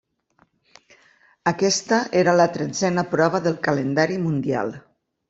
Aquesta era la tretzena prova del Calendari mundial.